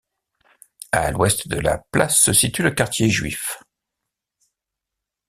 À l'ouest de la place se situe le quartier juif.